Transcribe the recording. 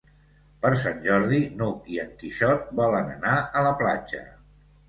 Per Sant Jordi n'Hug i en Quixot volen anar a la platja.